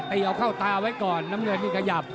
เอาเข้าตาไว้ก่อนน้ำเงินนี่ขยับ